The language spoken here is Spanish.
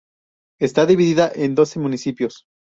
Está dividida en doce municipios.